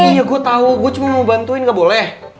iya gue tau gue cuma mau bantuin gak boleh